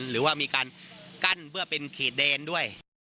หรือว่ามีการกั้นเพื่อเป็นเขตแดนด้วย